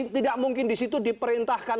tidak mungkin di situ diperintahkan